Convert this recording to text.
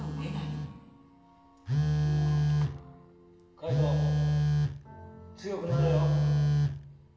海人強くなれよ。